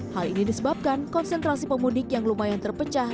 hal ini disebabkan konsentrasi pemudik yang lumayan terpecah